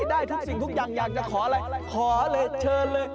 ได้ทุกสิ่งทุกอย่างอยากจะขออะไรขอเลยเชิญเลย